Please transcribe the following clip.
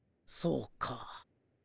そうか。